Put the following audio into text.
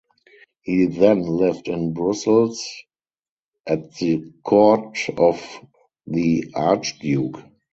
He then lived in Brussels at the court of the Archduke.